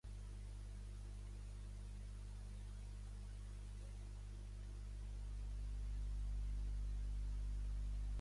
Mathias va estudiar a Kingston upon Thames i al Trinity College de Cambridge.